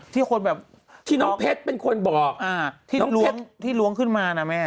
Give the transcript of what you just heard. ที่คนแบบที่น้องเพชรเป็นคนบอกที่น้องเพชรที่ล้วงขึ้นมานะแม่